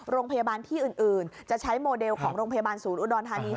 โรงพยาบาลที่อื่นจะใช้โมเดลของโรงพยาบาลศูนย์อุดรธานี